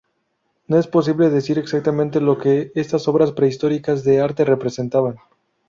No es posible decir exactamente lo que estas obras prehistóricas de arte representaban.